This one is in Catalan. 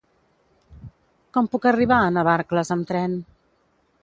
Com puc arribar a Navarcles amb tren?